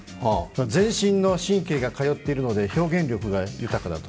全身の神経が通っているので表現力が豊かだと。